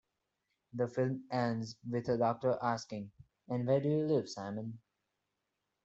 The film ends with a doctor asking, And where do you live, Simon?